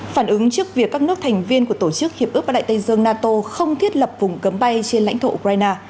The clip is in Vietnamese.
phản ứng trước việc các nước thành viên của tổ chức hiệp ước bắc đại tây dương nato không thiết lập vùng cấm bay trên lãnh thổ ukraine